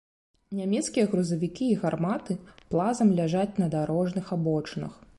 Нямецкія грузавікі і гарматы плазам ляжаць на дарожных абочынах.